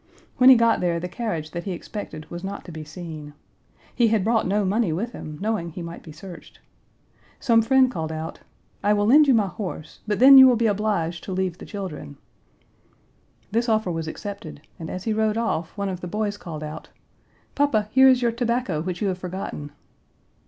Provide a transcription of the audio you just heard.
When he got there, the carriage that he expected was not to be seen. He had brought no money with him, knowing he might be searched. Some friend called out, "I will lend you my horse, but then you will be obliged to leave the Page 179 children." This offer was accepted, and, as he rode off, one of the boys called out, "Papa, here is your tobacco, which you have forgotten."